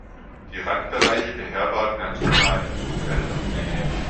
Die Randbereiche beherbergen naturnahe Buchenwälder.